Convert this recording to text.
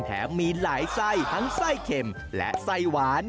มีหลายไส้ทั้งไส้เข็มและไส้หวาน